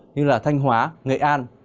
như là thanh hóa nghệ an